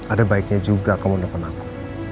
ada baiknya juga kamu nelpon aku